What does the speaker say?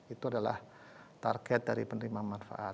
itu adalah target dari penerima manfaat